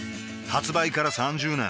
発売から３０年